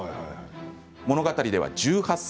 物語では、１８歳。